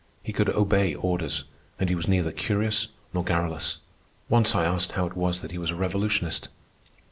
He could obey orders, and he was neither curious nor garrulous. Once I asked how it was that he was a revolutionist.